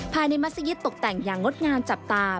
มัศยิตตกแต่งอย่างงดงามจับตา